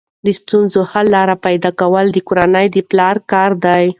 د ستونزو حل لارې پیدا کول د کورنۍ د پلار کار دی.